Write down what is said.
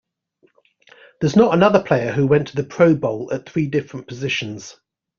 There's not another player who went to the Pro Bowl at three different positions.